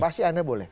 pasti anda boleh